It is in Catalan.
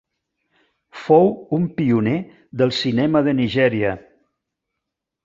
Fou un pioner del Cinema de Nigèria.